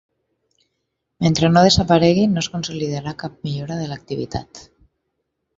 Mentre no desaparegui, no es consolidarà cap millora de l’activitat.